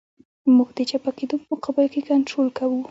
موږ د چپه کېدو په مقابل کې کنټرول کوو